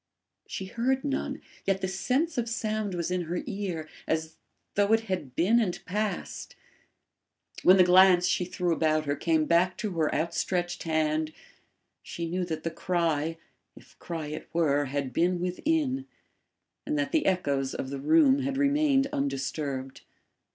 She heard none, yet the sense of sound was in her ear, as though it had been and passed. When the glance she threw about her came back to her outstretched hand, she knew that the cry, if cry it were, had been within, and that the echoes of the room had remained undisturbed.